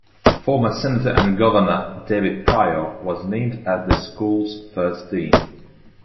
Former Senator and Governor David Pryor was named as the school's first dean.